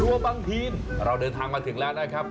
บางทีนเราเดินทางมาถึงแล้วนะครับ